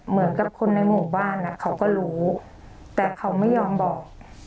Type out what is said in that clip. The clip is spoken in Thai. เหมือนกับคนในหมู่บ้านเขาก็รู้แต่เขาไม่ยอมบอก